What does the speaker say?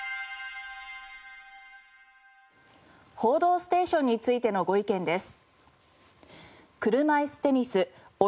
『報道ステーション』についてのご意見です。